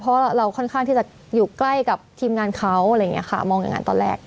เพราะเราค่อนข้างที่จะอยู่ใกล้กับทีมงานเขาอะไรอย่างนี้ค่ะมองอย่างนั้นตอนแรก